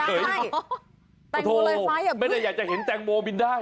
แตงโมรอยฟ้าอย่าบึ๊บไม่ได้อยากจะเห็นแตงโมบินได้